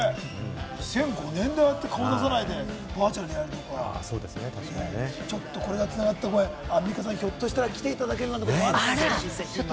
２００５年でああやって顔を出さないで、バーチャルでやられてるとか、ちょっとこれが繋がった場合、アンミカさん、ひょっとしたら来ていただけるってこともあるかも。